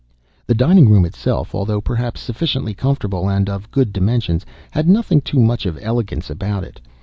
The dining room itself, although perhaps sufficiently comfortable and of good dimensions, had nothing too much of elegance about it.